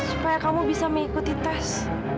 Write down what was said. supaya kamu bisa mengikuti tes